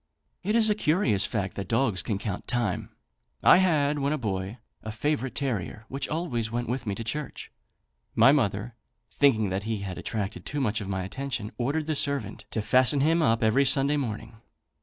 It is a curious fact that dogs can count time. I had, when a boy, a favourite terrier, which always went with me to church. My mother, thinking that he attracted too much of my attention, ordered the servant to fasten him up every Sunday morning.